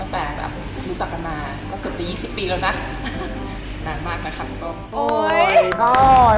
มากมายข้อนะ